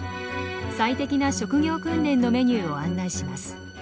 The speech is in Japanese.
最適な職業訓練のメニューを案内します。